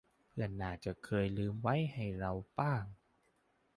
เพื่อนน่าจะเคยลืมไว้ให้เราบ้าง